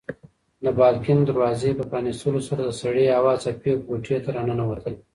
د بالکن د دروازې په پرانیستلو سره د سړې هوا څپې کوټې ته راننوتلې.